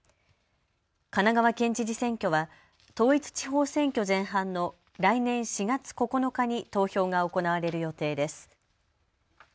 神奈川県知事選挙は統一地方選挙前半の来年４月９日に投票が行われる予定です。